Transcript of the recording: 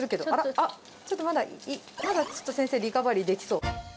あっ、ちょっとまだ、まだちょっと先生、リカバリーできそう。